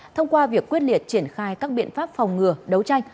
thông qua việc quyết liệt triển khai các biện pháp phòng ngừa đấu tranh